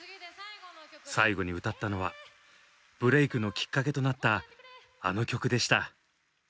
最後に歌ったのはブレークのきっかけとなったあの曲でした。